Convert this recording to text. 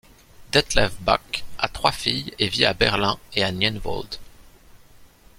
Detlev Buck a trois filles et vit à Berlin et à Nienwohld.